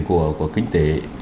của kinh tế